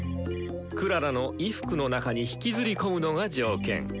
クララの衣服の中に引きずり込むのが条件。